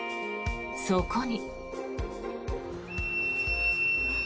そこに。